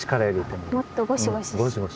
もっとゴシゴシ。